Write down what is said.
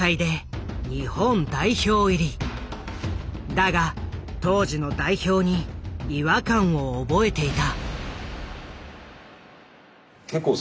だが当時の代表に違和感を覚えていた。